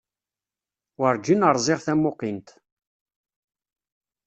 Warǧin ṛziɣ tamuqint.